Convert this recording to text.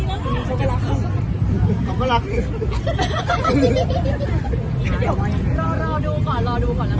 เดี๋ยวก่อนรอดูก่อน